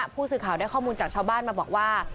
ผู้สื่อข่าวได้ข้อมูลจากชาวบ้านมาบอกว่า